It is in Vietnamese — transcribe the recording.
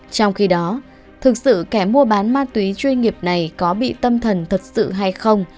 trong khi đó thực sự kẻ mua bán ma túy chuyên nghiệp này có bị tâm thần thật sự hay không